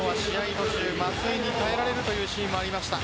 途中松井に代えられるというシーンもありました。